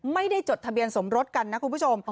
ไม่ได้จดทะเบียนสมรสกันนะคุณผู้ชม